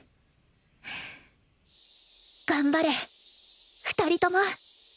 頑張れ２人とも！